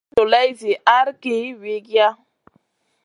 Sa ma ci dolay zi ahrki wiykiya.